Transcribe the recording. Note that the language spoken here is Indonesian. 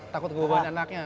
takut gue buangin anaknya